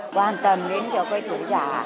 quan tâm đến cho cây thủ giả